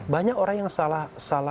banyak orang yang salah